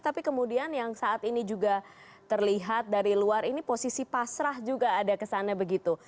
tapi kemudian yang saat ini juga terlihat dari luar ini posisi pasrah juga ada kesannya begitu